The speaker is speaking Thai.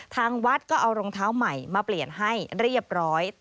ทางวัดก็เอารองเท้าใหม่มาเปลี่ยนให้เรียบร้อย